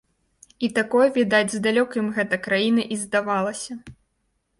І такой, відаць, здалёк ім гэта краіна і здавалася.